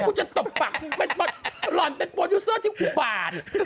ที่กูจะตบปากหล่อนเป็นโปรดิวเซอร์ที่กูบาด